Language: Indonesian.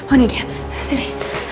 oh ini dia sini